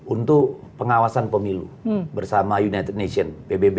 untuk pengawasan pemilu bersama united nations